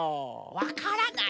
わからない？